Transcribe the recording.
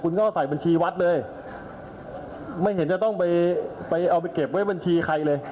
คุณก็ใส่บัญชีวัดเลยไม่เห็นจะต้องไปไปเอาไปเก็บไว้บัญชีใครเลย